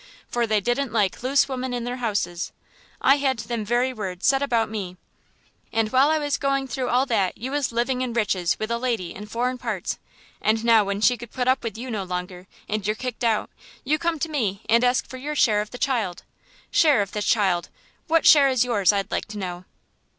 For they didn't like loose women in their houses; I had them very words said about me. And while I was going through all that you was living in riches with a lady in foreign parts; and now when she could put up with you no longer, and you're kicked out, you come to me and ask for your share of the child. Share of the child! What share is yours, I'd like to know?"